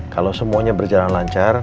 kalau semuanya berjalan lancar